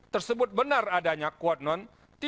tersebut benar adanya kuotnon